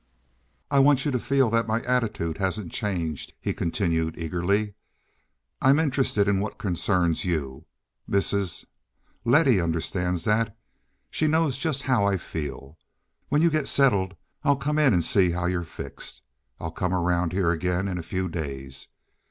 "I want you to feel that my attitude hasn't changed," he continued eagerly. "I'm interested in what concerns you. Mrs.—Letty understands that. She knows just how I feel. When you get settled I'll come in and see how you're fixed. I'll come around here again in a few days.